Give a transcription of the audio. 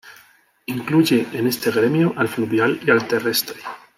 Incluye en este gremio al fluvial y al terrestre.